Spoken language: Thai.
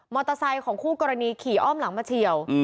เตอร์ไซค์ของคู่กรณีขี่อ้อมหลังมาเฉียว